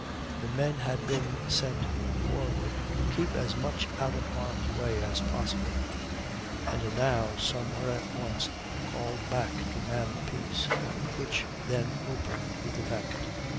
The men had been sent forward to keep as much out of harm's way as possible, and now some were at once called back to man the piece, which then opened with effect.